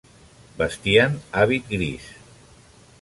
Vestien hàbit gris.